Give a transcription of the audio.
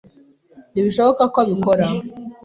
Ntibishoboka ko abikora.